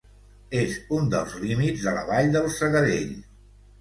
És un dels límits de la vall del Segadell.